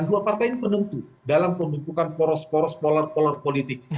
dua partai ini penentu dalam pembentukan poros poros polar polar politik